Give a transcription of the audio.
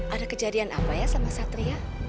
ada kejadian apa ya sama satria